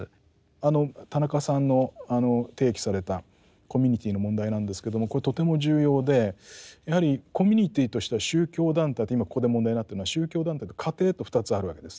あの田中さんの提起されたコミュニティーの問題なんですけどもこれとても重要でやはりコミュニティーとしては宗教団体って今ここで問題になってるのは宗教団体と家庭と２つあるわけですね。